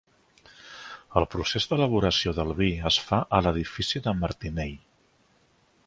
El procés d'elaboració del vi es fa a l'edifici de Martinell.